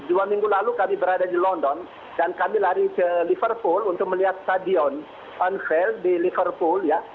dua minggu lalu kami berada di london dan kami lari ke liverpool untuk melihat stadion on fail di liverpool ya